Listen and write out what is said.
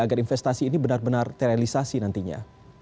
agar investasi ini benar benar terrealisasi nantinya